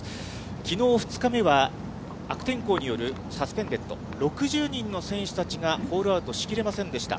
きのう２日目は悪天候によるサスペンデッド、６０人の選手たちがホールアウトしきれませんでした。